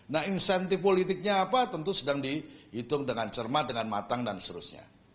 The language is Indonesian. nah insentif politiknya apa tentu sedang dihitung dengan cermat dengan matang dan seterusnya